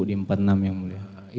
di empat puluh enam yang mulia